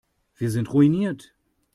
Wir sind ruiniert.